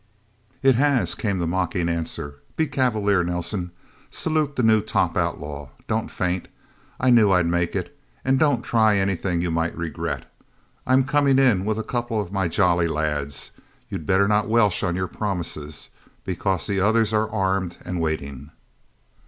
"It has," came the mocking answer. "Be cavalier, Nelsen. Salute the new top outlaw... Don't faint I knew I'd make it... And don't try anything you might regret... I'm coming in with a couple of my Jolly Lads. You'd better not welsh on your promises. Because the others are armed and waiting..."